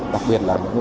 đặc biệt là nước nước